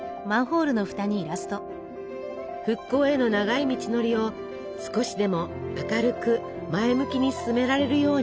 復興への長い道のりを少しでも明るく前向きに進められるように。